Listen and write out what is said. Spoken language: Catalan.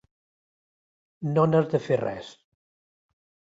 No n'has de fer res!